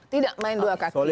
tidak main dua kaki